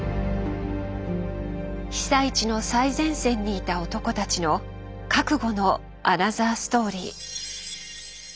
被災地の最前線にいた男たちの覚悟のアナザーストーリー。